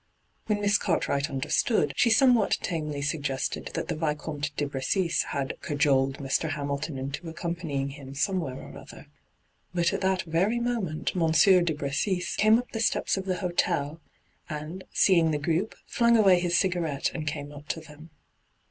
When Miss Cartwright understood, she somewhat tamely suggested that the Vicomte de Bressis had ' cajoled ' Mr. Hamilton into accompanying him somewhere or other. But at that very moment Monsieur de Bressis came up the steps of the hotel, and, seeing ihe group, flung away his cigarette and came up to them.